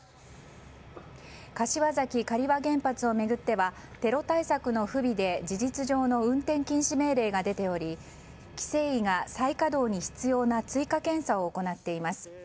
柏崎刈羽原発を巡ってはテロ対策の不備で事実上の運転禁止命令が出ており規制委が再稼働に必要な追加調査を行っています。